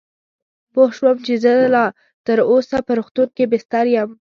پوه شوم چې زه لا تراوسه په روغتون کې بستر یم.